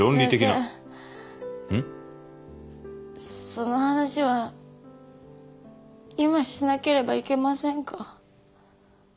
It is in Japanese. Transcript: その話は今しなければいけませんか？